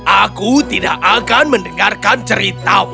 aku tidak akan mendengarkan ceritamu